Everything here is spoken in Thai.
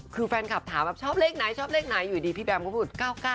คือแฟนคลับถามแบบชอบเลขไหนอยู่ดีพี่แบมก็พูด๙๙